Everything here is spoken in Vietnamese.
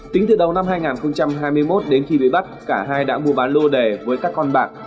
tính từ đầu năm hai nghìn hai mươi một đến khi bị bắt cả hai đã mua bán lô đề với các con bạc